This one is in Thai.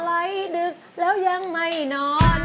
ดอกอะไรดึกแล้วยังไม่นอน